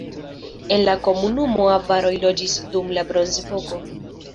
En la komunumo avaroj loĝis dum la bronzepoko.